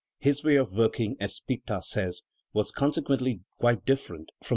His way of working, as Spitta says, was consequently quite different from that of Beethoven.